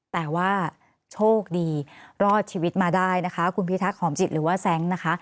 แต่ว่าโชคดีรอดชีวิตมาได้นะคะคุณพิทักษ์หอมจิตหรือว่าแซ้งนะคะ